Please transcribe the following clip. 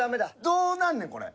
どうなんねんこれ。